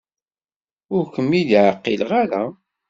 Ur kem-id-ɛqileɣ ara.